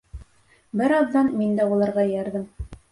Бер аҙҙан мин дә уларға эйәрҙем.